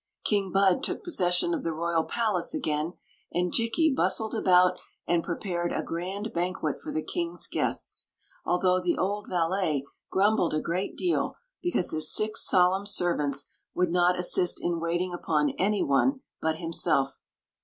King Bud took possession of the royal palace again, and Jikki bustled about and prepared a grand banquet for the king's guests,— although the old valet grumbled a great deal because his six solemn servants would not assist in waiting upon any one but himself.